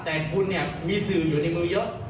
แต่คุณเนี่ยมีสื่ออยู่ในมือเยอะ